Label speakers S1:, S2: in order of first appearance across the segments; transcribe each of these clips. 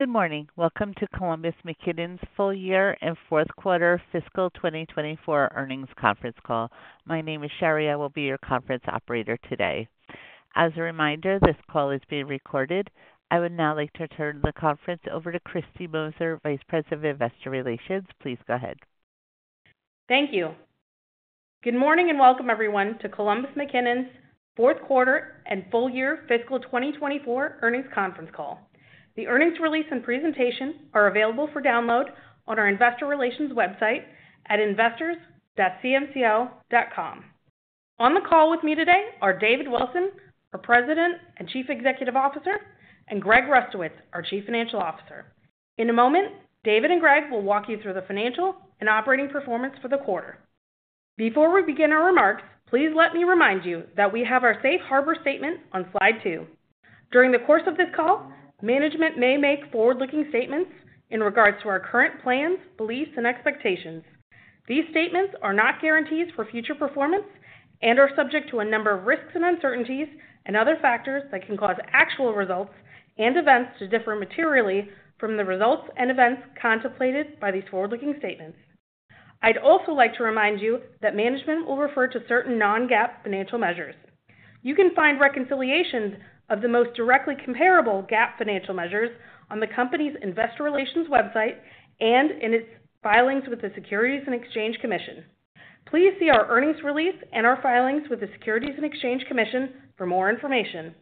S1: Good morning. Welcome to Columbus McKinnon's full year and Q4 fiscal 2024 earnings conference call. My name is Shari, I will be your conference operator today. As a reminder, this call is being recorded. I would now like to turn the conference over to Kristy Moser, Vice President of Investor Relations. Please go ahead.
S2: Thank you. Good morning, and welcome everyone to Columbus McKinnon's Q4 and full year fiscal 2024 earnings conference call. The earnings release and presentation are available for download on our investor relations website at investors.cmco.com. On the call with me today are David Wilson, our President and Chief Executive Officer, and Greg Rustowicz, our Chief Financial Officer. In a moment, David and Greg will walk you through the financial and operating performance for the quarter. Before we begin our remarks, please let me remind you that we have our safe harbor statement on slide 2. During the course of this call, management may make forward-looking statements in regards to our current plans, beliefs, and expectations. These statements are not guarantees for future performance and are subject to a number of risks and uncertainties and other factors that can cause actual results and events to differ materially from the results and events contemplated by these forward-looking statements. I'd also like to remind you that management will refer to certain non-GAAP financial measures. You can find reconciliations of the most directly comparable GAAP financial measures on the company's investor relations website and in its filings with the Securities and Exchange Commission. Please see our earnings release and our filings with the Securities and Exchange Commission for more information.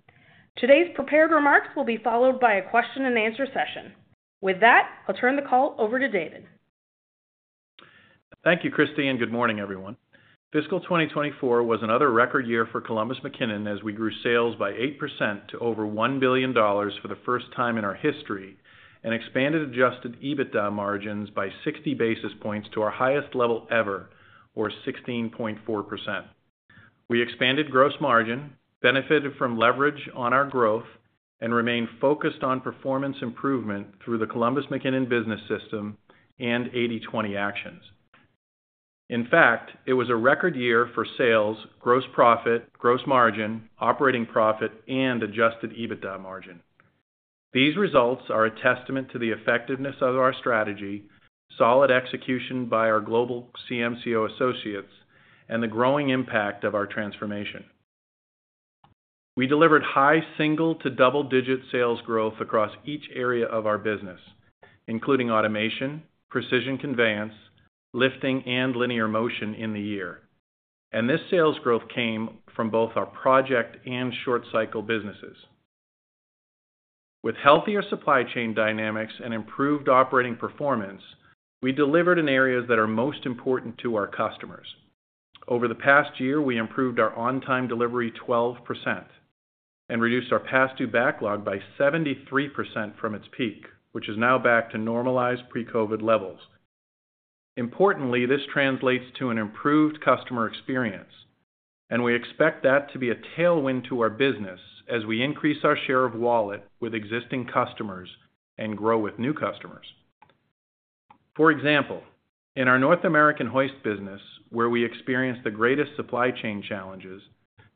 S2: Today's prepared remarks will be followed by a question and answer session. With that, I'll turn the call over to David.
S3: Thank you, Kristy, and good morning, everyone. Fiscal 2024 was another record year for Columbus McKinnon, as we grew sales by 8% to over $1 billion for the first time in our history and expanded Adjusted EBITDA margins by 60 basis points to our highest level ever, or 16.4%. We expanded gross margin, benefited from leverage on our growth, and remained focused on performance improvement through the Columbus McKinnon Business System and 80/20 actions. In fact, it was a record year for sales, gross profit, gross margin, operating profit, and Adjusted EBITDA margin. These results are a testament to the effectiveness of our strategy, solid execution by our global CMCO associates, and the growing impact of our transformation. We delivered high single- to double-digit sales growth across each area of our business, including Automation, Precision Conveyance, Lifting, and Linear Motion in the year. This sales growth came from both our project and short cycle businesses. With healthier supply chain dynamics and improved operating performance, we delivered in areas that are most important to our customers. Over the past year, we improved our on-time delivery 12% and reduced our past due backlog by 73% from its peak, which is now back to normalized pre-COVID levels. Importantly, this translates to an improved customer experience, and we expect that to be a tailwind to our business as we increase our share of wallet with existing customers and grow with new customers. For example, in our North American hoist business, where we experienced the greatest supply chain challenges,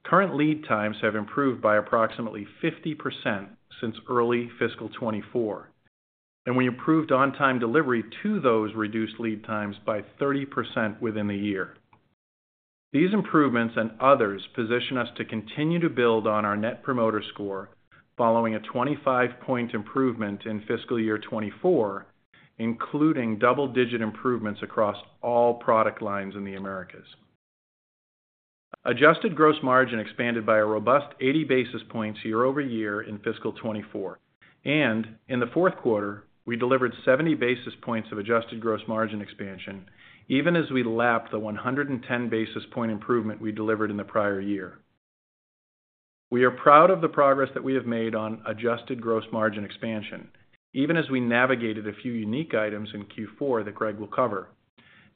S3: current lead times have improved by approximately 50% since early fiscal 2024, and we improved on-time delivery to those reduced lead times by 30% within the year. These improvements and others position us to continue to build on our Net Promoter Score, following a 25-point improvement in fiscal year 2024, including double-digit improvements across all product lines in the Americas. Adjusted gross margin expanded by a robust 80 basis points year-over-year in fiscal 2024, and in the Q4, we delivered 70 basis points of adjusted gross margin expansion, even as we lapped the 110 basis point improvement we delivered in the prior year. We are proud of the progress that we have made on adjusted gross margin expansion, even as we navigated a few unique items in Q4 that Greg will cover.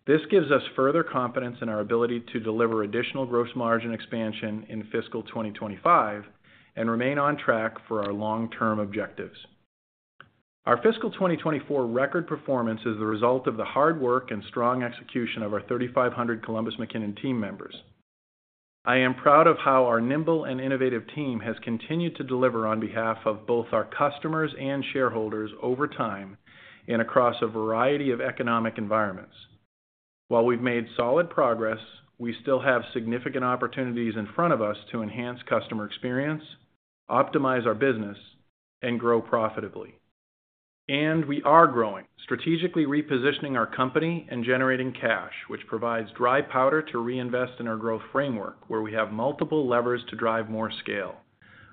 S3: This gives us further confidence in our ability to deliver additional gross margin expansion in fiscal 2025 and remain on track for our long-term objectives. Our fiscal 2024 record performance is the result of the hard work and strong execution of our 3,500 Columbus McKinnon team members. I am proud of how our nimble and innovative team has continued to deliver on behalf of both our customers and shareholders over time and across a variety of economic environments. While we've made solid progress, we still have significant opportunities in front of us to enhance customer experience, optimize our business, and grow profitably. And we are growing, strategically repositioning our company and generating cash, which provides dry powder to reinvest in our growth framework, where we have multiple levers to drive more scale.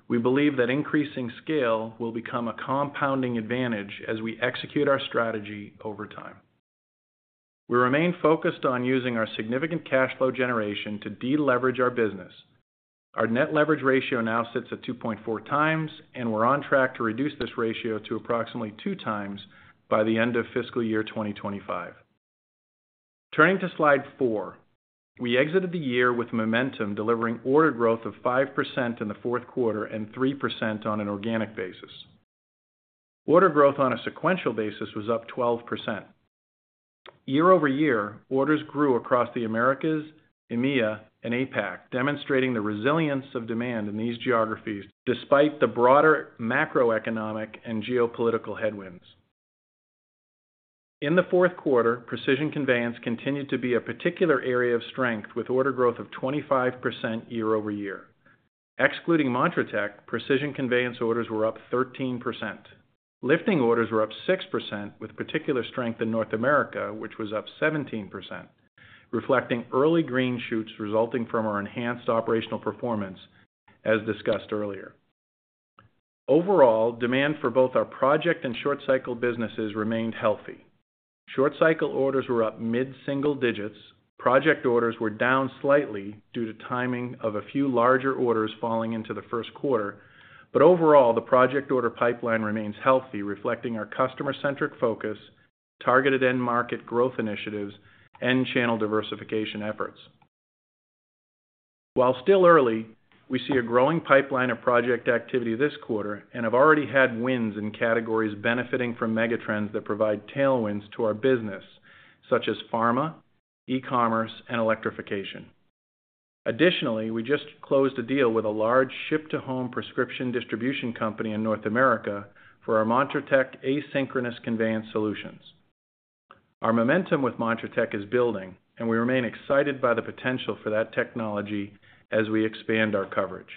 S3: We believe that increasing scale will become a compounding advantage as we execute our strategy over time. We remain focused on using our significant cash flow generation to deleverage our business. Our net leverage ratio now sits at 2.4 times, and we're on track to reduce this ratio to approximately 2 times by the end of fiscal year 2025. Turning to slide 4. We exited the year with momentum, delivering order growth of 5% in the Q4 and 3% on an organic basis. Order growth on a sequential basis was up 12%. Year-over-year, orders grew across the Americas, EMEA, and APAC, demonstrating the resilience of demand in these geographies, despite the broader macroeconomic and geopolitical headwinds. In the Q4, Precision Conveyance continued to be a particular area of strength, with order growth of 25% year-over-year. Excluding Montratec, Precision Conveyance orders were up 13%. Lifting orders were up 6%, with particular strength in North America, which was up 17%, reflecting early green shoots resulting from our enhanced operational performance, as discussed earlier. Overall, demand for both our project and short cycle businesses remained healthy. Short cycle orders were up mid-single digits. Project orders were down slightly due to timing of a few larger orders falling into the Q1. But overall, the project order pipeline remains healthy, reflecting our customer-centric focus, targeted end market growth initiatives, and channel diversification efforts. While still early, we see a growing pipeline of project activity this quarter and have already had wins in categories benefiting from megatrends that provide tailwinds to our business, such as pharma, e-commerce, and electrification. Additionally, we just closed a deal with a large ship-to-home prescription distribution company in North America for our Montratec asynchronous conveyance solutions. Our momentum with Montratec is building, and we remain excited by the potential for that technology as we expand our coverage.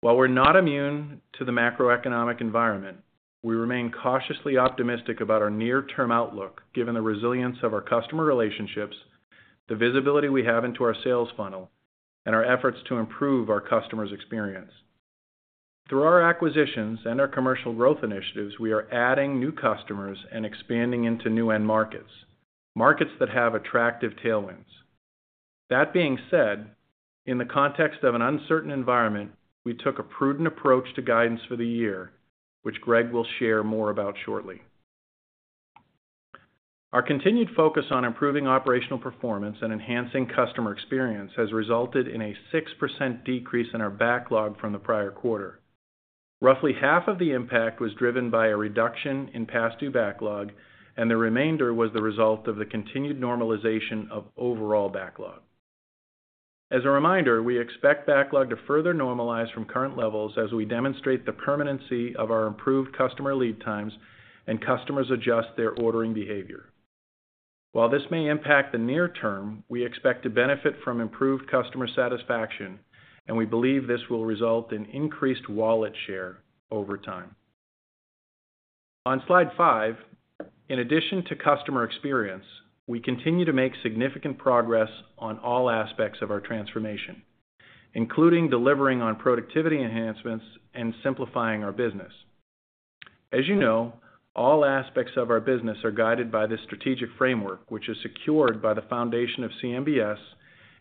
S3: While we're not immune to the macroeconomic environment, we remain cautiously optimistic about our near-term outlook, given the resilience of our customer relationships, the visibility we have into our sales funnel, and our efforts to improve our customers' experience. Through our acquisitions and our commercial growth initiatives, we are adding new customers and expanding into new end markets, markets that have attractive tailwinds. That being said, in the context of an uncertain environment, we took a prudent approach to guidance for the year, which Greg will share more about shortly. Our continued focus on improving operational performance and enhancing customer experience has resulted in a 6% decrease in our backlog from the prior quarter. Roughly half of the impact was driven by a reduction in past due backlog, and the remainder was the result of the continued normalization of overall backlog. As a reminder, we expect backlog to further normalize from current levels as we demonstrate the permanency of our improved customer lead times and customers adjust their ordering behavior. While this may impact the near term, we expect to benefit from improved customer satisfaction, and we believe this will result in increased wallet share over time. On Slide 5, in addition to customer experience, we continue to make significant progress on all aspects of our transformation, including delivering on productivity enhancements and simplifying our business. As you know, all aspects of our business are guided by this strategic framework, which is secured by the foundation of CMBS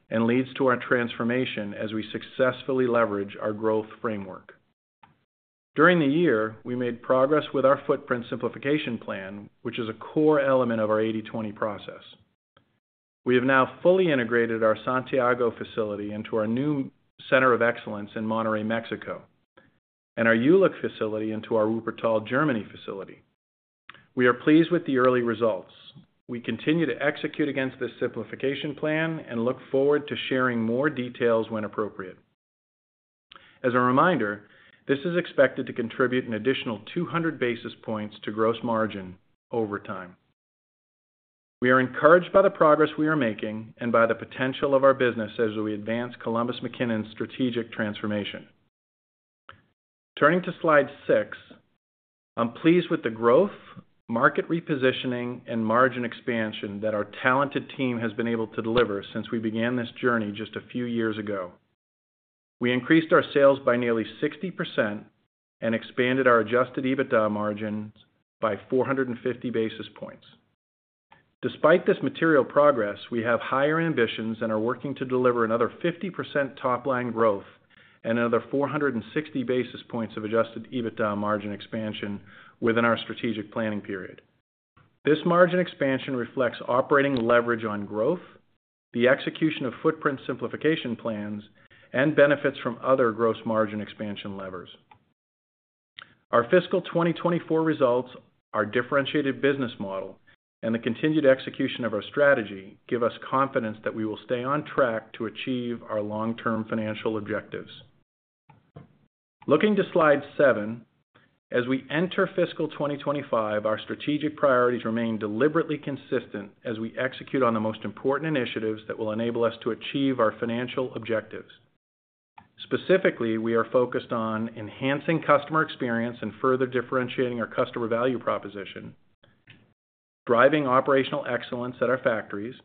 S3: and leads to our transformation as we successfully leverage our growth framework. During the year, we made progress with our footprint simplification plan, which is a core element of our 80/20 process. We have now fully integrated our Santiago facility into our new center of excellence in Monterrey, Mexico, and our Jülich facility into our Wuppertal, Germany, facility. We are pleased with the early results. We continue to execute against this simplification plan and look forward to sharing more details when appropriate. As a reminder, this is expected to contribute an additional 200 basis points to gross margin over time. We are encouraged by the progress we are making and by the potential of our business as we advance Columbus McKinnon's strategic transformation. Turning to Slide 6, I'm pleased with the growth, market repositioning, and margin expansion that our talented team has been able to deliver since we began this journey just a few years ago. We increased our sales by nearly 60% and expanded our adjusted EBITDA margins by 450 basis points. Despite this material progress, we have higher ambitions and are working to deliver another 50% top line growth and another 460 basis points of adjusted EBITDA margin expansion within our strategic planning period. This margin expansion reflects operating leverage on growth, the execution of footprint simplification plans, and benefits from other gross margin expansion levers. Our fiscal 2024 results, our differentiated business model, and the continued execution of our strategy give us confidence that we will stay on track to achieve our long-term financial objectives. Looking to Slide 7, as we enter fiscal 2025, our strategic priorities remain deliberately consistent as we execute on the most important initiatives that will enable us to achieve our financial objectives. Specifically, we are focused on enhancing customer experience and further differentiating our customer value proposition, driving operational excellence at our factories,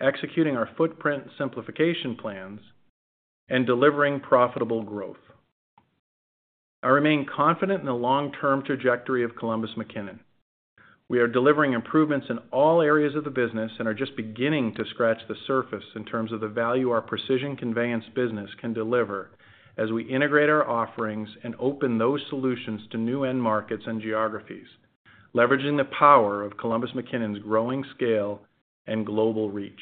S3: executing our footprint simplification plans, and delivering profitable growth. I remain confident in the long-term trajectory of Columbus McKinnon. We are delivering improvements in all areas of the business and are just beginning to scratch the surface in terms of the value our Precision Conveyance business can deliver as we integrate our offerings and open those solutions to new end markets and geographies, leveraging the power of Columbus McKinnon's growing scale and global reach....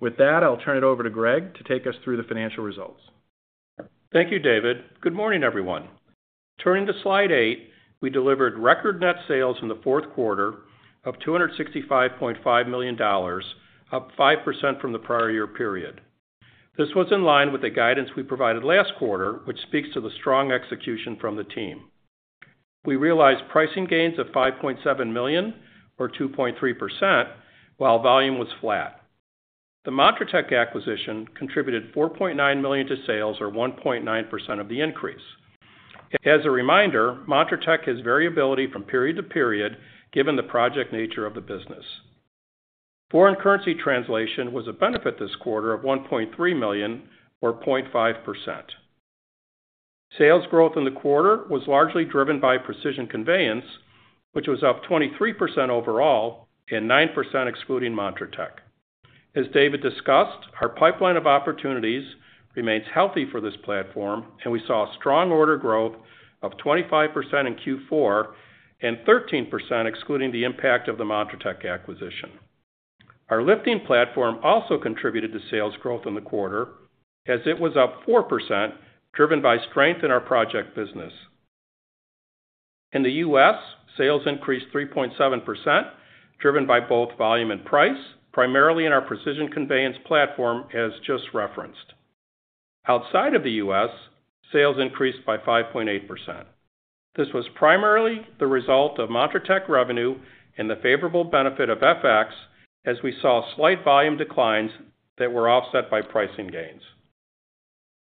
S3: With that, I'll turn it over to Greg to take us through the financial results.
S4: Thank you, David. Good morning, everyone. Turning to Slide 8, we delivered record net sales in the Q4 of $265.5 million, up 5% from the prior year period. This was in line with the guidance we provided last quarter, which speaks to the strong execution from the team. We realized pricing gains of $5.7 million, or 2.3%, while volume was flat. The Montratec acquisition contributed $4.9 million to sales, or 1.9% of the increase. As a reminder, Montratec has variability from period to period, given the project nature of the business. Foreign currency translation was a benefit this quarter of $1.3 million or 0.5%. Sales growth in the quarter was largely driven by Precision Conveyance, which was up 23% overall and 9% excluding Montratec. As David discussed, our pipeline of opportunities remains healthy for this platform, and we saw a strong order growth of 25% in Q4 and 13%, excluding the impact of the Montratec acquisition. Our Lifting platform also contributed to sales growth in the quarter, as it was up 4%, driven by strength in our project business. In the U.S., sales increased 3.7%, driven by both volume and price, primarily in our Precision Conveyance platform, as just referenced. Outside of the U.S., sales increased by 5.8%. This was primarily the result of Montratec revenue and the favorable benefit of FX, as we saw slight volume declines that were offset by pricing gains.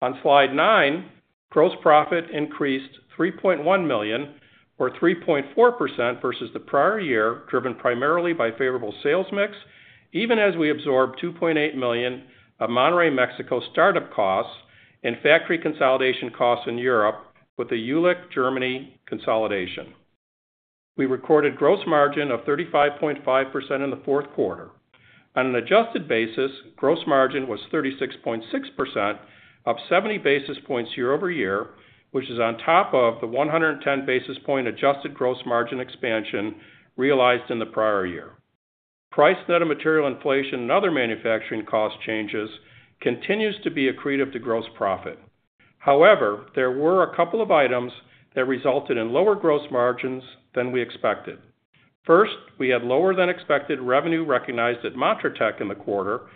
S4: On Slide 9, gross profit increased $3.1 million, or 3.4% versus the prior year, driven primarily by favorable sales mix, even as we absorbed $2.8 million of Monterrey, Mexico startup costs and factory consolidation costs in Europe with the Jülich, Germany consolidation. We recorded gross margin of 35.5% in the Q4. On an adjusted basis, gross margin was 36.6%, up 70 basis points year-over-year, which is on top of the 110 basis point adjusted gross margin expansion realized in the prior year. Price net of material inflation and other manufacturing cost changes continues to be accretive to gross profit. However, there were a couple of items that resulted in lower gross margins than we expected. First, we had lower than expected revenue recognized at Montratec in the quarter,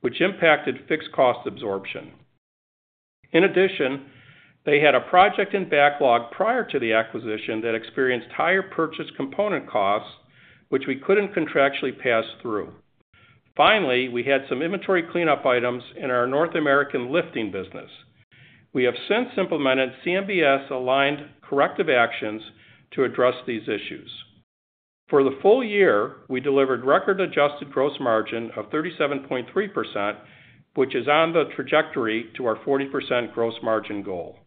S4: which impacted fixed cost absorption. In addition, they had a project in backlog prior to the acquisition that experienced higher purchase component costs, which we couldn't contractually pass through. Finally, we had some inventory cleanup items in our North American Lifting business. We have since implemented CMBS-aligned corrective actions to address these issues. For the full year, we delivered record-adjusted gross margin of 37.3%, which is on the trajectory to our 40% gross margin goal.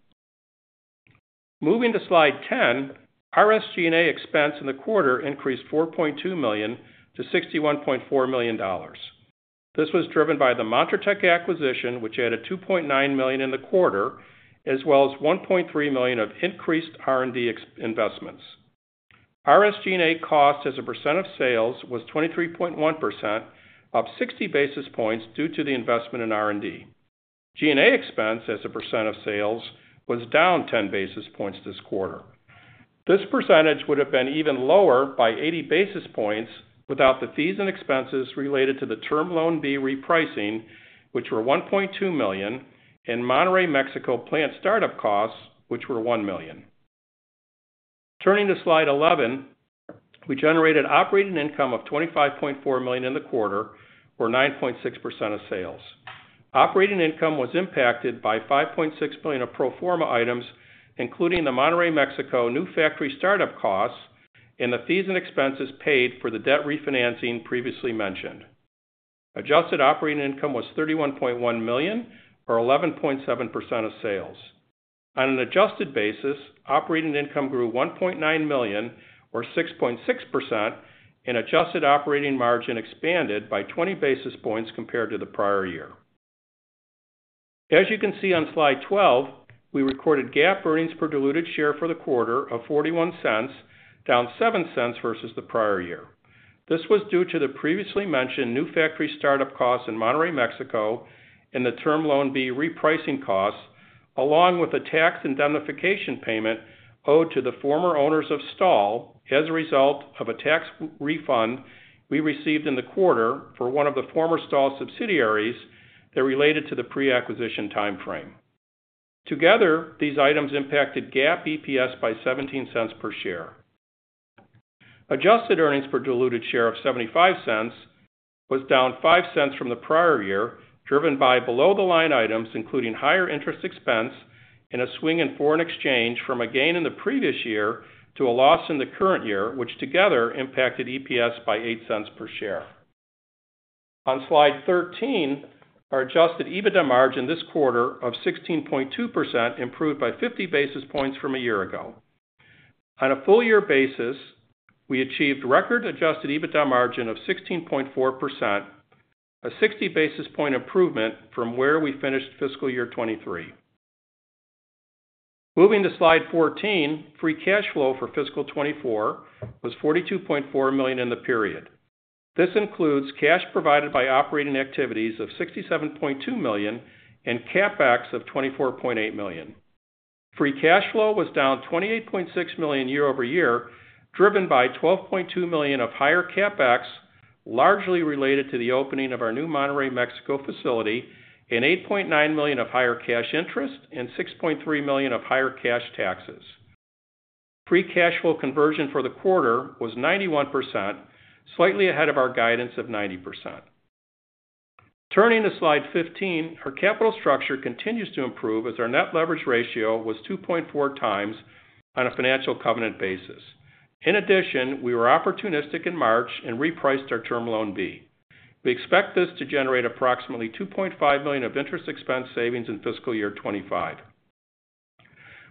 S4: Moving to Slide 10, our SG&A expense in the quarter increased $4.2 million-$61.4 million. This was driven by the Montratec acquisition, which added $2.9 million in the quarter, as well as $1.3 million of increased R&D expenses. Our SG&A cost as a percent of sales was 23.1%, up 60 basis points due to the investment in R&D. G&A expense as a percent of sales was down 10 basis points this quarter. This percentage would have been even lower by 80 basis points without the fees and expenses related to the Term Loan B repricing, which were $1.2 million, and Monterrey, Mexico, plant startup costs, which were $1 million. Turning to Slide 11, we generated operating income of $25.4 million in the quarter, or 9.6% of sales. Operating income was impacted by $5.6 million of pro forma items, including the Monterrey, Mexico, new factory startup costs and the fees and expenses paid for the debt refinancing previously mentioned. Adjusted operating income was $31.1 million, or 11.7% of sales. On an adjusted basis, operating income grew $1.9 million, or 6.6%, and adjusted operating margin expanded by 20 basis points compared to the prior year. As you can see on Slide 12, we recorded GAAP earnings per diluted share for the quarter of $0.41, down $0.07 versus the prior year. This was due to the previously mentioned new factory startup costs in Monterrey, Mexico, and the Term Loan B repricing costs, along with the tax indemnification payment owed to the former owners of Stahl as a result of a tax refund we received in the quarter for one of the former Stahl subsidiaries that related to the pre-acquisition timeframe. Together, these items impacted GAAP EPS by $0.17 per share. Adjusted earnings per diluted share of $0.75 was down $0.05 from the prior year, driven by below-the-line items, including higher interest expense and a swing in foreign exchange from a gain in the previous year to a loss in the current year, which together impacted EPS by $0.08 per share. On Slide 13, our adjusted EBITDA margin this quarter of 16.2% improved by 50 basis points from a year ago. On a full year basis, we achieved record-adjusted EBITDA margin of 16.4%, a 60 basis points improvement from where we finished fiscal year 2023. Moving to Slide 14, free cash flow for fiscal 2024 was $42.4 million in the period. This includes cash provided by operating activities of $67.2 million and CapEx of $24.8 million. Free cash flow was down $28.6 million year-over-year, driven by $12.2 million of higher CapEx, largely related to the opening of our new Monterrey, Mexico facility, and $8.9 million of higher cash interest, and $6.3 million of higher cash taxes. Free cash flow conversion for the quarter was 91%, slightly ahead of our guidance of 90%. Turning to Slide 15, our capital structure continues to improve as our net leverage ratio was 2.4 times on a financial covenant basis. In addition, we were opportunistic in March and repriced our Term Loan B. We expect this to generate approximately $2.5 million of interest expense savings in fiscal year 2025.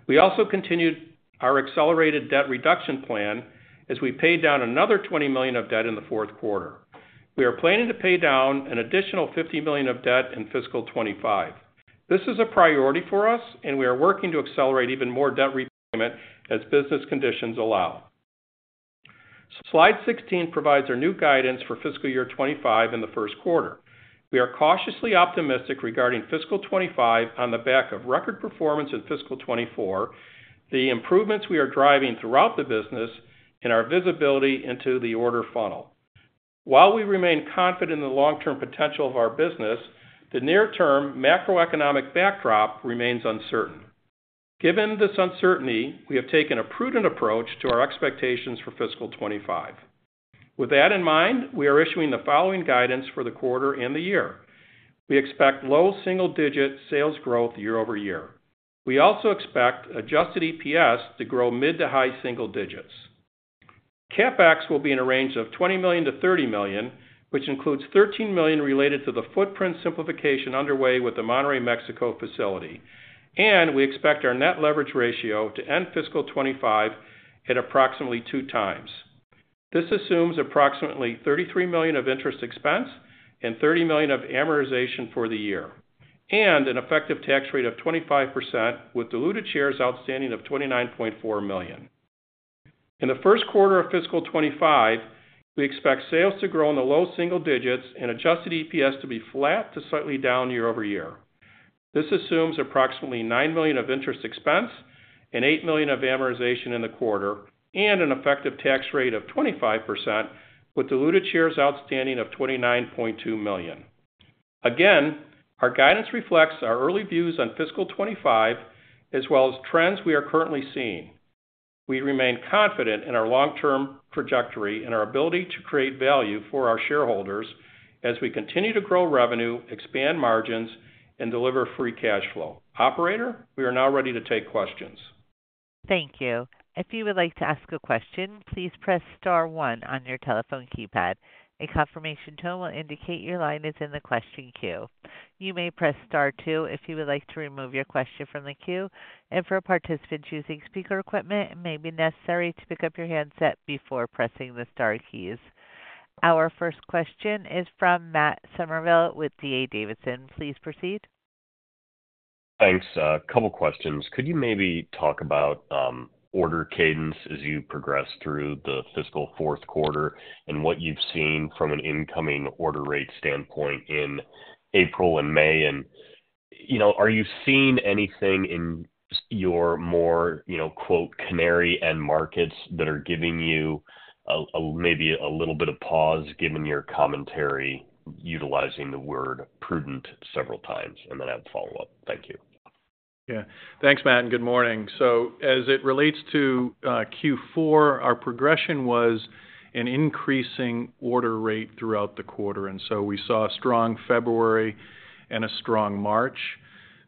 S4: We also continued our accelerated debt reduction plan as we paid down another $20 million of debt in the Q4. We are planning to pay down an additional $50 million of debt in fiscal 2025. This is a priority for us, and we are working to accelerate even more debt repayment as business conditions allow. Slide 16 provides our new guidance for fiscal year 2025 in the Q1. We are cautiously optimistic regarding fiscal 2025 on the back of record performance in fiscal 2024, the improvements we are driving throughout the business, and our visibility into the order funnel. While we remain confident in the long-term potential of our business, the near-term macroeconomic backdrop remains uncertain. Given this uncertainty, we have taken a prudent approach to our expectations for fiscal 2025. With that in mind, we are issuing the following guidance for the quarter and the year. We expect low single-digit sales growth year-over-year. We also expect adjusted EPS to grow mid to high single digits. CapEx will be in a range of $20 million-$30 million, which includes $13 million related to the footprint simplification underway with the Monterrey, Mexico, facility. We expect our net leverage ratio to end fiscal 2025 at approximately 2x. This assumes approximately $33 million of interest expense and $30 million of amortization for the year, and an effective tax rate of 25%, with diluted shares outstanding of 29.4 million. In the Q1 of fiscal 2025, we expect sales to grow in the low single digits and adjusted EPS to be flat to slightly down year over year. This assumes approximately $9 million of interest expense and $8 million of amortization in the quarter, and an effective tax rate of 25%, with diluted shares outstanding of 29.2 million. Again, our guidance reflects our early views on fiscal 2025 as well as trends we are currently seeing. We remain confident in our long-term trajectory and our ability to create value for our shareholders as we continue to grow revenue, expand margins, and deliver free cash flow. Operator, we are now ready to take questions.
S1: Thank you. If you would like to ask a question, please press star one on your telephone keypad. A confirmation tone will indicate your line is in the question queue. You may press Star two if you would like to remove your question from the queue, and for a participant choosing speaker equipment, it may be necessary to pick up your handset before pressing the star keys. Our first question is from Matt Summerville with D.A. Davidson. Please proceed.
S5: Thanks. A couple questions. Could you maybe talk about order cadence as you progress through the fiscal Q4 and what you've seen from an incoming order rate standpoint in April and May? You know, are you seeing anything in your more, you know, quote, canary end markets that are giving you a, a maybe a little bit of pause, given your commentary, utilizing the word prudent several times, and then I have a follow-up. Thank you.
S4: Yeah. Thanks, Matt, and good morning. So as it relates to Q4, our progression was an increasing order rate throughout the quarter, and so we saw a strong February and a strong March,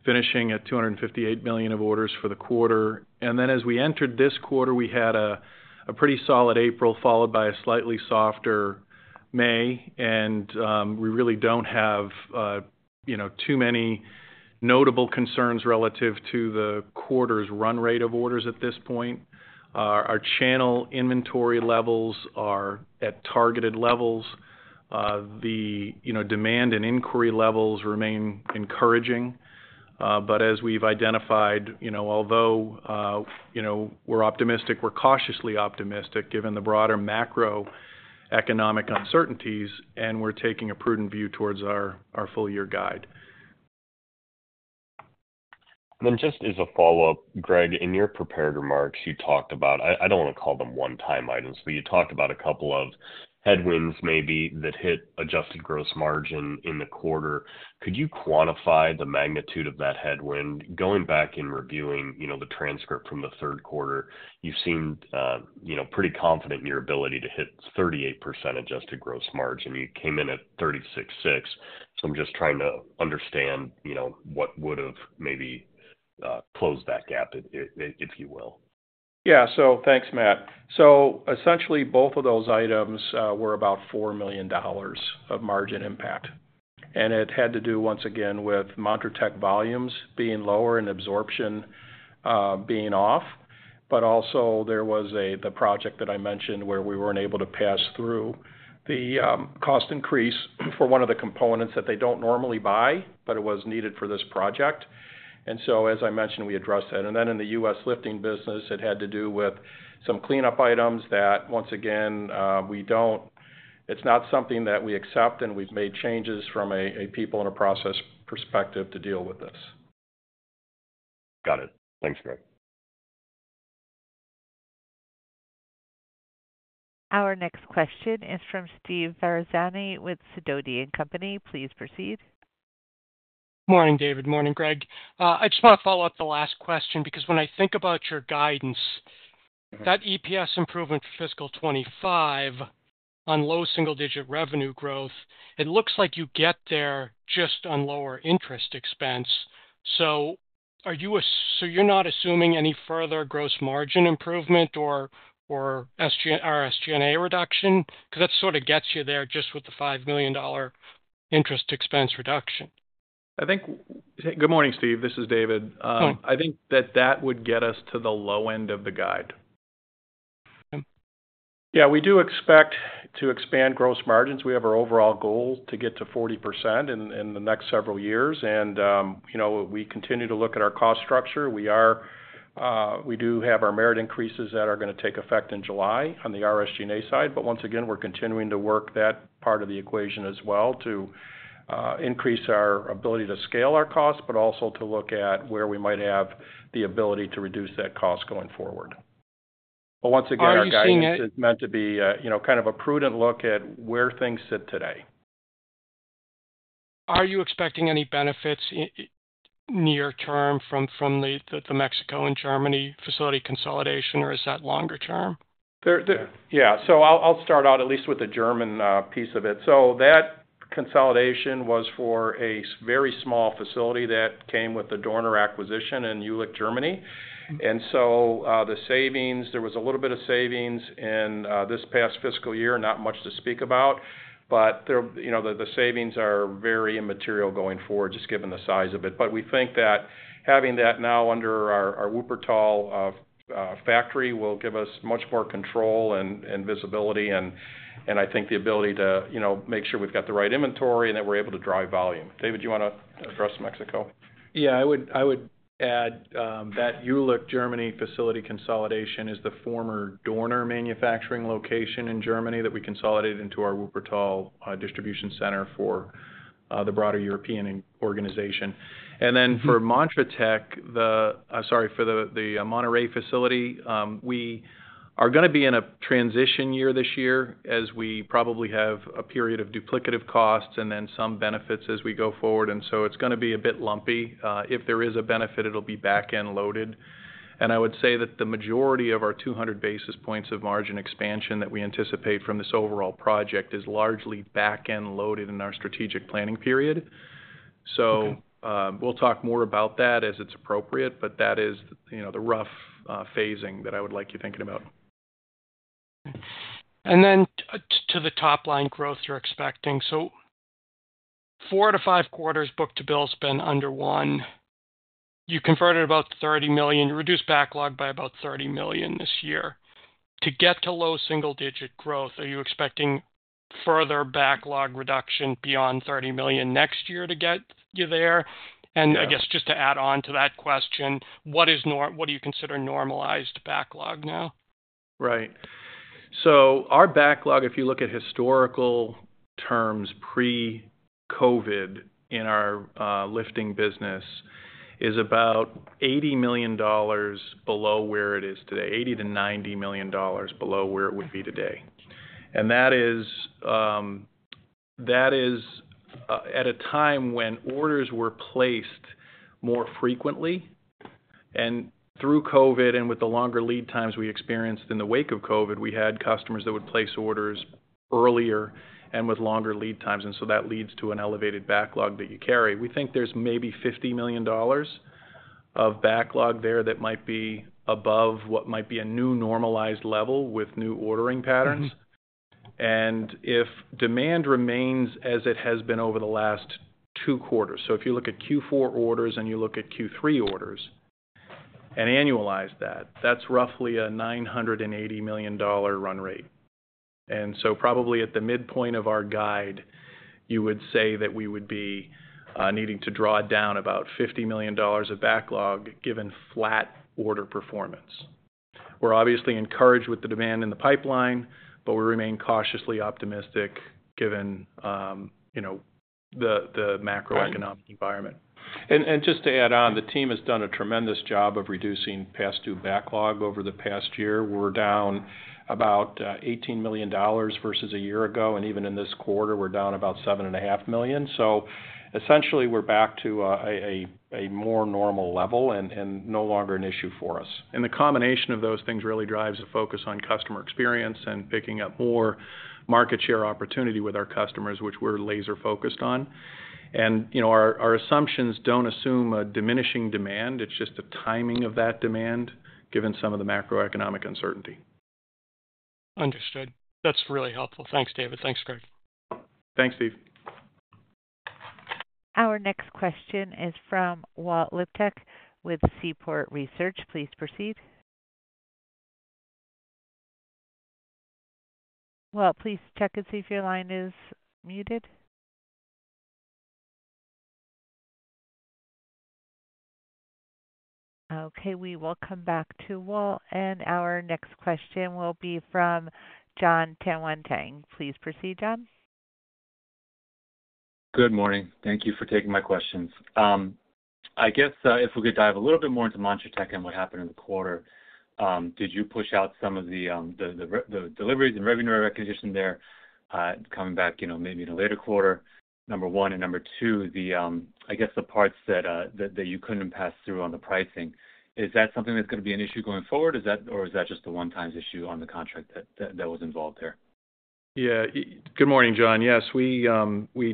S4: finishing at $258 million of orders for the quarter. And then as we entered this quarter, we had a pretty solid April, followed by a slightly softer May. And we really don't have, you know, too many notable concerns relative to the quarter's run rate of orders at this point. Our channel inventory levels are at targeted levels. The, you know, demand and inquiry levels remain encouraging. But as we've identified, you know, although, you know, we're optimistic, we're cautiously optimistic, given the broader macroeconomic uncertainties, and we're taking a prudent view towards our, our full year guide.
S5: And then just as a follow-up, Greg, in your prepared remarks, you talked about. I don't want to call them one-time items, but you talked about a couple of headwinds, maybe, that hit adjusted gross margin in the quarter. Could you quantify the magnitude of that headwind? Going back and reviewing, you know, the transcript from the Q3, you seemed, you know, pretty confident in your ability to hit 38% adjusted gross margin. You came in at 36.6%. So I'm just trying to understand, you know, what would have maybe closed that gap, if you will.
S4: Yeah. So thanks, Matt. So essentially, both of those items were about $4 million of margin impact, and it had to do, once again, with Montratec volumes being lower and absorption being off, but also there was a, the project that I mentioned where we weren't able to pass through the cost increase for one of the components that they don't normally buy, but it was needed for this project. And so, as I mentioned, we addressed that. And then in the U.S. Lifting business, it had to do with some cleanup items that, once again, we don't—it's not something that we accept, and we've made changes from a people and a process perspective to deal with this.
S5: Got it. Thanks, Greg.
S1: Our next question is from Steve Ferazani with Sidoti & Company. Please proceed.
S6: Morning, David. Morning, Greg. I just want to follow up the last question, because when I think about your guidance-
S4: Mm-hmm.
S6: That EPS improvement for fiscal 2025 on low single-digit revenue growth, it looks like you get there just on lower interest expense. So you're not assuming any further gross margin improvement or SG&A reduction? Because that sort of gets you there just with the $5 million interest expense reduction.
S3: Good morning, Steve. This is David.
S6: Morning.
S3: I think that that would get us to the low end of the guide.
S4: Yeah, we do expect to expand gross margins. We have our overall goal to get to 40% in the next several years, and you know, we continue to look at our cost structure. We are, we do have our merit increases that are going to take effect in July on the SG&A side, but once again, we're continuing to work that part of the equation as well to increase our ability to scale our costs, but also to look at where we might have the ability to reduce that cost going forward. But once again, our guidance-
S6: Are you seeing it?
S4: - is meant to be, you know, kind of a prudent look at where things sit today.
S6: Are you expecting any benefits in near term from the Mexico and Germany facility consolidation, or is that longer term?
S4: Yeah. So I'll start out, at least with the German piece of it. So that consolidation was for a very small facility that came with the Dorner acquisition in Jülich, Germany. And so, the savings there was a little bit of savings in this past fiscal year, not much to speak about, but there, you know, the savings are very immaterial going forward, just given the size of it. But we think that having that now under our Wuppertal factory will give us much more control and visibility, and I think the ability to, you know, make sure we've got the right inventory and that we're able to drive volume. David, do you want to address Mexico?
S3: Yeah, I would, I would add that Jülich, Germany, facility consolidation is the former Dorner manufacturing location in Germany that we consolidated into our Wuppertal distribution center for the broader European organization.
S6: Mm-hmm.
S3: And then for Montratec, the Monterrey facility, we are going to be in a transition year this year as we probably have a period of duplicative costs and then some benefits as we go forward, and so it's going to be a bit lumpy. If there is a benefit, it'll be back-end loaded. And I would say that the majority of our 200 basis points of margin expansion that we anticipate from this overall project is largely back-end loaded in our strategic planning period.
S6: Okay.
S3: We'll talk more about that as it's appropriate, but that is, you know, the rough phasing that I would like you thinking about.
S6: Then to the top line growth you're expecting. So four to five quarters, book-to-bill has been under one. You converted about $30 million, you reduced backlog by about $30 million this year. To get to low single-digit growth, are you expecting further backlog reduction beyond $30 million next year to get you there?
S3: Yeah.
S6: I guess just to add on to that question, what do you consider normalized backlog now?
S3: Right. So our backlog, if you look at historical terms, pre-COVID, in our Lifting business, is about $80 million below where it is today, $80 million-$90 million below where it would be today. And that is, that is, at a time when orders were placed more frequently. And through COVID, and with the longer lead times we experienced in the wake of COVID, we had customers that would place orders earlier and with longer lead times, and so that leads to an elevated backlog that you carry. We think there's maybe $50 million of backlog there that might be above what might be a new normalized level with new ordering patterns.
S6: Mm-hmm.
S3: If demand remains as it has been over the last two quarters, so if you look at Q4 orders and you look at Q3 orders, and annualize that, that's roughly a $980 million run rate. So probably at the midpoint of our guide, you would say that we would be needing to draw down about $50 million of backlog, given flat order performance. We're obviously encouraged with the demand in the pipeline, but we remain cautiously optimistic given, you know, the macroeconomic environment.
S4: And just to add on, the team has done a tremendous job of reducing past due backlog over the past year. We're down about $18 million versus a year ago, and even in this quarter, we're down about $7.5 million. So essentially, we're back to a more normal level and no longer an issue for us. The combination of those things really drives a focus on customer experience and picking up more market share opportunity with our customers, which we're laser focused on. You know, our assumptions don't assume a diminishing demand. It's just the timing of that demand, given some of the macroeconomic uncertainty.
S6: Understood. That's really helpful. Thanks, David. Thanks, Greg.
S3: Thanks, Steve. ...
S1: Our next question is from Walt Liptak with Seaport Research. Please proceed. Walt, please check and see if your line is muted. Okay, we will come back to Walt, and our next question will be from Jon Tanwanteng. Please proceed, Jon.
S7: Good morning. Thank you for taking my questions. I guess if we could dive a little bit more into Montratec and what happened in the quarter, did you push out some of the deliveries and revenue recognition there, coming back, you know, maybe in a later quarter? Number one, and number two, I guess the parts that you couldn't pass through on the pricing, is that something that's gonna be an issue going forward, is that or is that just a one-time issue on the contract that was involved there?
S3: Yeah. Good morning, Jon. Yes, we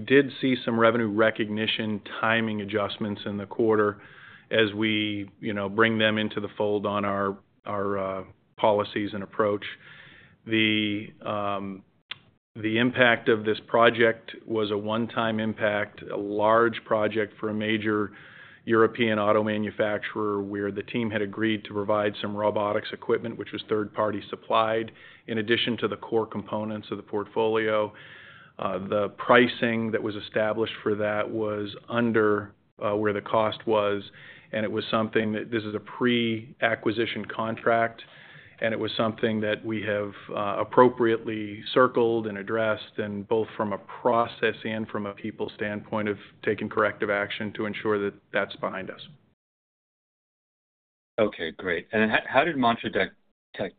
S3: did see some revenue recognition, timing adjustments in the quarter as we, you know, bring them into the fold on our policies and approach. The impact of this project was a one-time impact, a large project for a major European auto manufacturer, where the team had agreed to provide some robotics equipment, which was third-party supplied, in addition to the core components of the portfolio. The pricing that was established for that was under where the cost was, and it was something that... This is a pre-acquisition contract, and it was something that we have appropriately circled and addressed, and both from a process and from a people standpoint, of taking corrective action to ensure that that's behind us.
S7: Okay, great. And then how, how did Montratec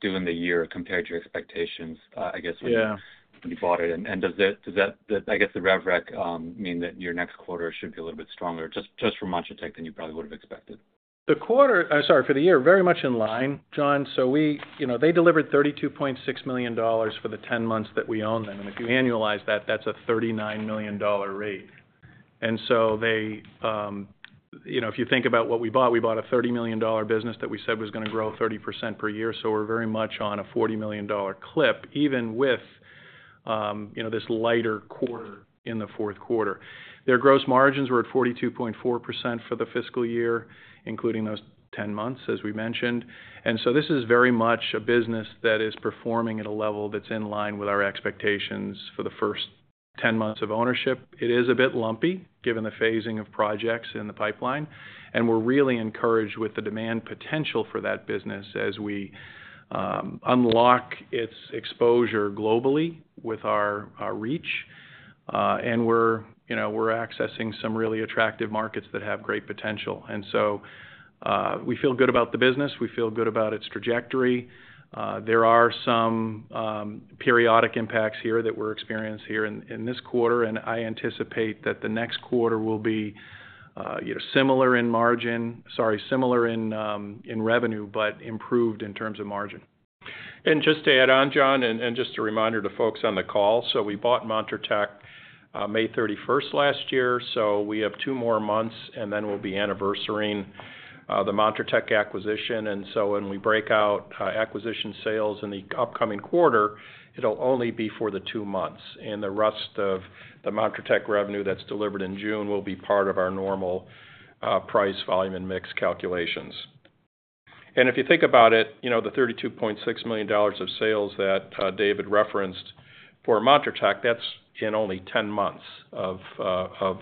S7: do in the year compared to your expectations, I guess?
S3: Yeah...
S7: when you bought it, and does that, I guess, the rev rec mean that your next quarter should be a little bit stronger, just from Montratec than you probably would have expected?
S3: The quarter, sorry, for the year, very much in line, Jon. So we, you know, they delivered $32.6 million for the ten months that we owned them, and if you annualize that, that's a $39 million rate. And so they, you know, if you think about what we bought, we bought a $30 million business that we said was gonna grow 30% per year, so we're very much on a $40 million clip, even with, you know, this lighter quarter in the Q4. Their gross margins were at 42.4% for the fiscal year, including those ten months, as we mentioned. And so this is very much a business that is performing at a level that's in line with our expectations for the first ten months of ownership. It is a bit lumpy, given the phasing of projects in the pipeline, and we're really encouraged with the demand potential for that business as we unlock its exposure globally with our reach, and we're, you know, we're accessing some really attractive markets that have great potential. And so, we feel good about the business. We feel good about its trajectory. There are some periodic impacts here that we're experienced here in this quarter, and I anticipate that the next quarter will be, you know, similar in margin, sorry, similar in revenue, but improved in terms of margin.
S4: And just to add on, Jon, and just a reminder to folks on the call, so we bought Montratec May 31 last year, so we have two more months, and then we'll be anniversarying the Montratec acquisition. And so when we break out acquisition sales in the upcoming quarter, it'll only be for the two months, and the rest of the Montratec revenue that's delivered in June will be part of our normal price, volume, and mix calculations. And if you think about it, you know, the $32.6 million of sales that David referenced for Montratec, that's in only 10 months of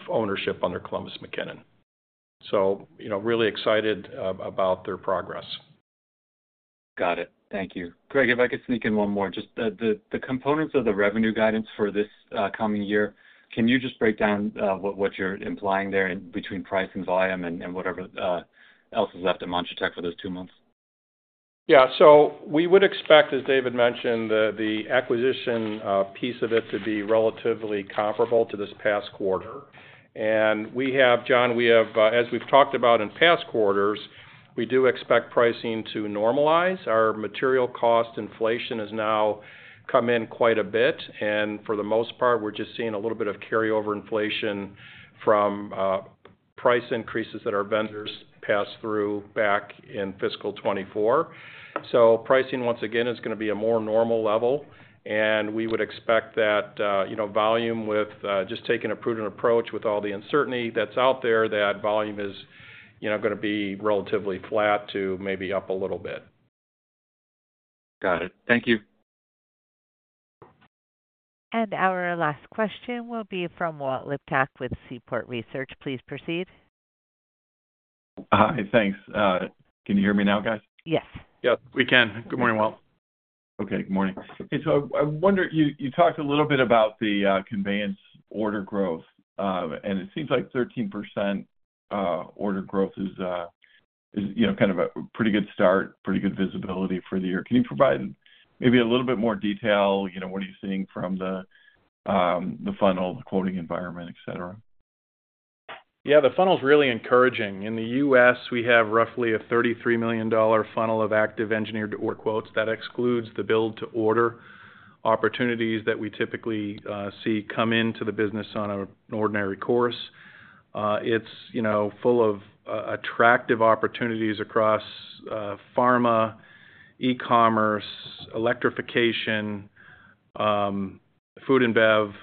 S4: ownership under Columbus McKinnon. So, you know, really excited about their progress.
S7: Got it. Thank you. Greg, if I could sneak in one more. Just the components of the revenue guidance for this coming year, can you just break down what you're implying there between price and volume and whatever else is left at Montratec for those two months?
S4: Yeah. So we would expect, as David mentioned, the acquisition piece of it to be relatively comparable to this past quarter. And we have, John, we have, as we've talked about in past quarters, we do expect pricing to normalize. Our material cost inflation has now come in quite a bit, and for the most part, we're just seeing a little bit of carryover inflation from price increases that our vendors passed through back in fiscal 2024. So pricing, once again, is gonna be a more normal level, and we would expect that, you know, volume with just taking a prudent approach with all the uncertainty that's out there, that volume is, you know, gonna be relatively flat to maybe up a little bit.
S7: Got it. Thank you.
S1: And our last question will be from Walt Liptak with Seaport Research. Please proceed.
S8: Hi, thanks. Can you hear me now, guys?
S1: Yes.
S4: Yep, we can. Good morning, Walt.
S8: Okay, good morning. So I wonder, you talked a little bit about the conveyance order growth, and it seems like 13% order growth is, you know, kind of a pretty good start, pretty good visibility for the year. Can you provide maybe a little bit more detail, you know, what are you seeing from the funnel, the quoting environment, et cetera?
S3: Yeah, the funnel is really encouraging. In the U.S., we have roughly a $33 million funnel of active engineered order quotes. That excludes the build to order opportunities that we typically see come into the business in the ordinary course. It's, you know, full of attractive opportunities across pharma, e-commerce, electrification, food and beverage.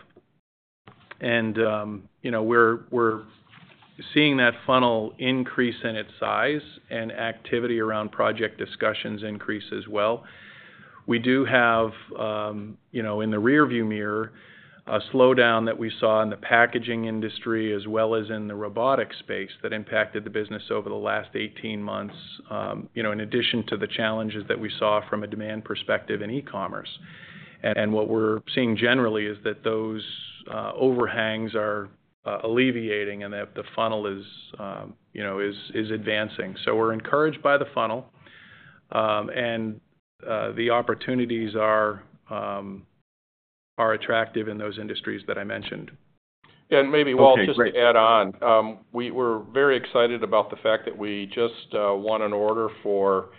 S3: And, you know, we're seeing that funnel increase in its size and activity around project discussions increase as well. We do have, you know, in the rearview mirror, a slowdown that we saw in the packaging industry as well as in the robotic space that impacted the business over the last 18 months, you know, in addition to the challenges that we saw from a demand perspective in e-commerce. What we're seeing generally is that those overhangs are alleviating and that the funnel is, you know, advancing. So we're encouraged by the funnel, and the opportunities are attractive in those industries that I mentioned.
S4: Maybe, Walt, just to add on. We're very excited about the fact that we just won an order for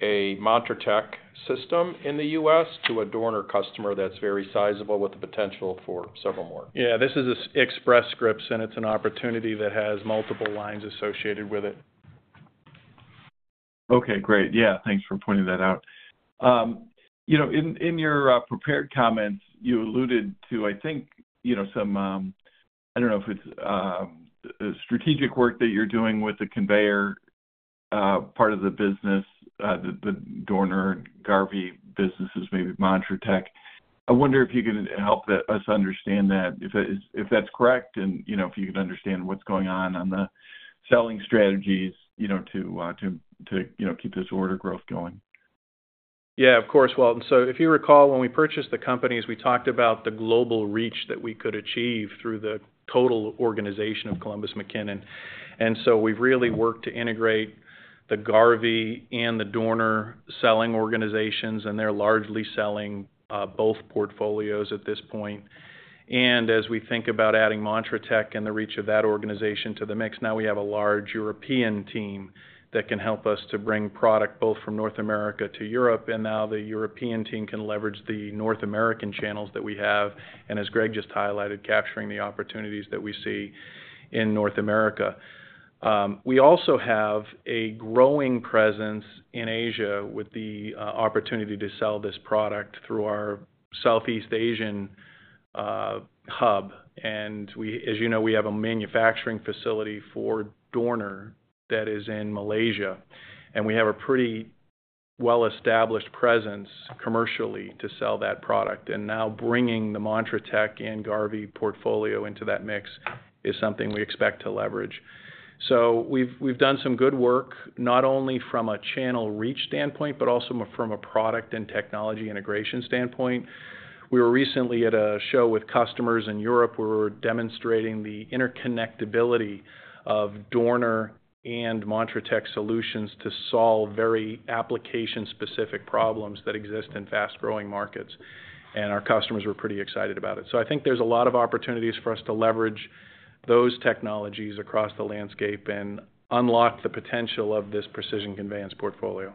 S4: a Montratec system in the U.S. to a Dorner customer that's very sizable, with the potential for several more.
S3: Yeah, this is Express Scripts, and it's an opportunity that has multiple lines associated with it.
S8: Okay, great. Yeah, thanks for pointing that out. You know, in your prepared comments, you alluded to, I think, you know, some... I don't know if it's strategic work that you're doing with the conveyor part of the business, the Dorner, Garvey businesses, maybe Montratec. I wonder if you could help us understand that, if that is, if that's correct and, you know, if you could understand what's going on the selling strategies, you know, to you know, keep this order growth going.
S3: Yeah, of course, Walt. So if you recall, when we purchased the companies, we talked about the global reach that we could achieve through the total organization of Columbus McKinnon. And so we've really worked to integrate the Garvey and the Dorner selling organizations, and they're largely selling both portfolios at this point. And as we think about adding Montratec and the reach of that organization to the mix, now we have a large European team that can help us to bring product both from North America to Europe, and now the European team can leverage the North American channels that we have, and as Greg just highlighted, capturing the opportunities that we see in North America. We also have a growing presence in Asia with the opportunity to sell this product through our Southeast Asian hub. As you know, we have a manufacturing facility for Dorner that is in Malaysia, and we have a pretty well-established presence commercially to sell that product. Now bringing the Montratec and Garvey portfolio into that mix is something we expect to leverage. So we've done some good work, not only from a channel reach standpoint, but also from a product and technology integration standpoint. We were recently at a show with customers in Europe, where we were demonstrating the interconnectability of Dorner and Montratec solutions to solve very application-specific problems that exist in fast-growing markets, and our customers were pretty excited about it. So I think there's a lot of opportunities for us to leverage those technologies across the landscape and unlock the potential of this Precision Conveyance portfolio.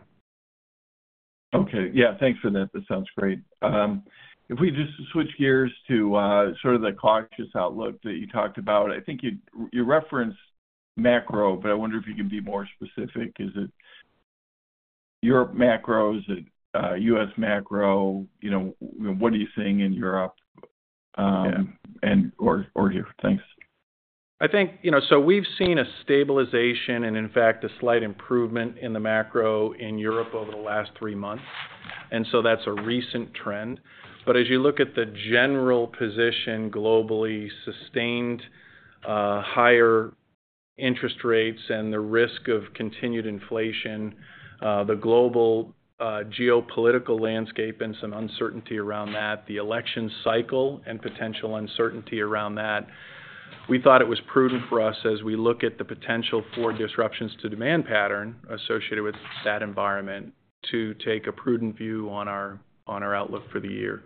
S8: Okay. Yeah, thanks for that. That sounds great. If we just switch gears to sort of the cautious outlook that you talked about. I think you, you referenced macro, but I wonder if you can be more specific. Is it Europe macro? Is it U.S. macro? You know, what are you seeing in Europe?
S3: Yeah...
S8: and or here? Thanks.
S3: I think, you know, so we've seen a stabilization and, in fact, a slight improvement in the macro in Europe over the last three months, and so that's a recent trend. But as you look at the general position globally, sustained, higher interest rates and the risk of continued inflation, the global, geopolitical landscape and some uncertainty around that, the election cycle and potential uncertainty around that, we thought it was prudent for us, as we look at the potential for disruptions to demand pattern associated with that environment, to take a prudent view on our, on our outlook for the year.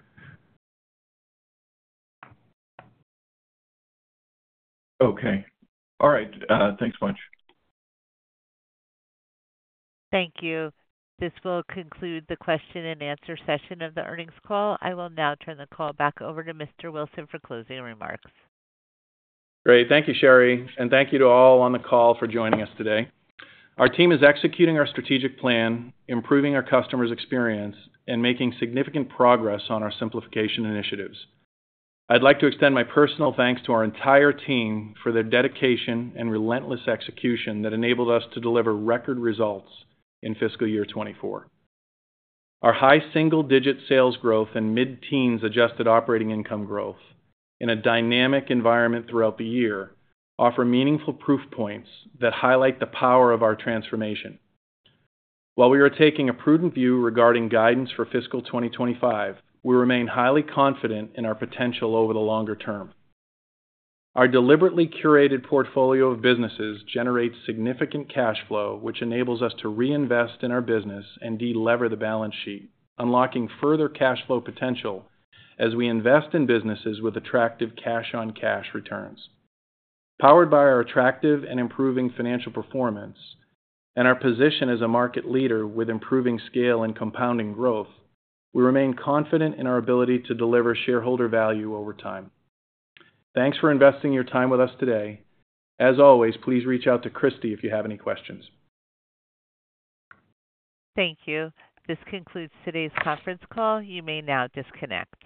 S8: Okay. All right, thanks much.
S1: Thank you. This will conclude the question and answer session of the earnings call. I will now turn the call back over to Mr. Wilson for closing remarks.
S3: Great. Thank you, Shari, and thank you to all on the call for joining us today. Our team is executing our strategic plan, improving our customers' experience, and making significant progress on our simplification initiatives. I'd like to extend my personal thanks to our entire team for their dedication and relentless execution that enabled us to deliver record results in fiscal year 2024. Our high single-digit sales growth and mid-teens adjusted operating income growth in a dynamic environment throughout the year, offer meaningful proof points that highlight the power of our transformation. While we are taking a prudent view regarding guidance for fiscal 2025, we remain highly confident in our potential over the longer term. Our deliberately curated portfolio of businesses generates significant cash flow, which enables us to reinvest in our business and de-lever the balance sheet, unlocking further cash flow potential as we invest in businesses with attractive cash-on-cash returns. Powered by our attractive and improving financial performance and our position as a market leader with improving scale and compounding growth, we remain confident in our ability to deliver shareholder value over time. Thanks for investing your time with us today. As always, please reach out to Kristy if you have any questions.
S1: Thank you. This concludes today's conference call. You may now disconnect.